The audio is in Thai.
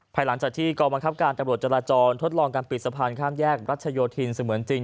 หลังจากที่กองบังคับการตำรวจจราจรทดลองการปิดสะพานข้ามแยกรัชโยธินเสมือนจริง